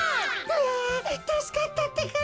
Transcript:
あたすかったってか。